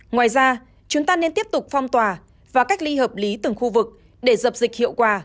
ngoài ra chúng ta nên tiếp tục phong tỏa và cách ly hợp lý từng khu vực để dập dịch hiệu quả